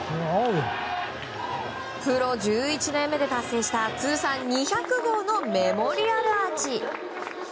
プロ１１年目で達成した通算２００号のメモリアルアーチ。